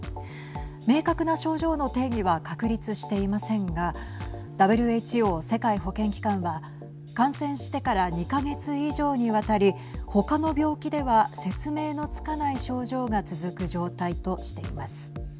明確な症状の定義は確立していませんがＷＨＯ＝世界保健機関は感染してから２か月以上にわたりほかの病気では説明のつかない症状が続く状態としています。